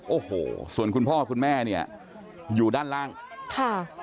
โอ้โหส่วนคุณพ่อคุณแม่เนี่ยอยู่ด้านล่างค่ะ